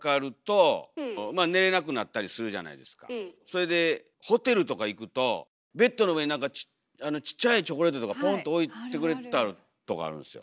それでホテルとか行くとベッドの上になんかちっちゃいチョコレートとかポンと置いてくれてあるとこあるんすよ。